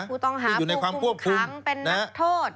ผู้ต้องหาผู้คุมขังเป็นนักโทษ